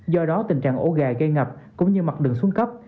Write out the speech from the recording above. do đó tình trạng ổ gà gây ngập cũng như mặt đường xuống cấp